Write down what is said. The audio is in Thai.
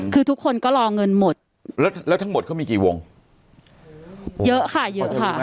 คือทุกคนก็รอเงินหมดแล้วแล้วทั้งหมดเขามีกี่วงเยอะค่ะเยอะค่ะ